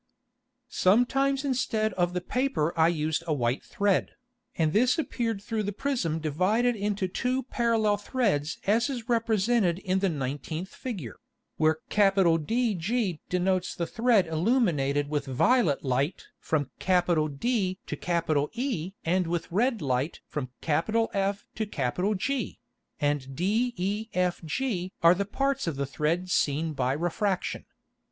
[Illustration: FIG. 19.] Sometimes instead of the Paper I used a white Thred, and this appeared through the Prism divided into two parallel Threds as is represented in the nineteenth Figure, where DG denotes the Thred illuminated with violet Light from D to E and with red Light from F to G, and defg are the parts of the Thred seen by Refraction.